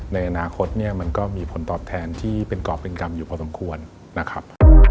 ในอนาคตเนี่ยมันก็มีผลตอบแทนที่เป็นกรอบเป็นกรรมอยู่พอสมควรนะครับ